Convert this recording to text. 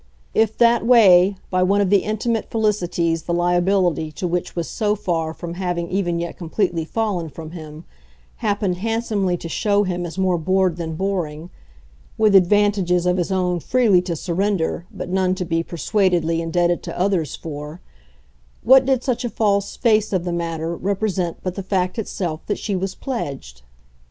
If that way, by one of the intimate felicities the liability to which was so far from having even yet completely fallen from him, happened handsomely to show him as more bored than boring (with advantages of his own freely to surrender, but none to be persuadedly indebted to others for,) what did such a false face of the matter represent but the fact itself that she was pledged?